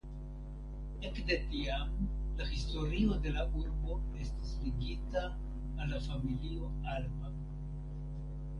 Ekde tiam la historio de la urbo estis ligita al la familio Alba.